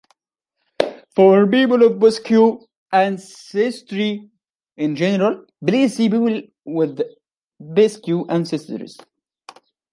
For people of Basque ancestry in general, please see People with Basque ancestors.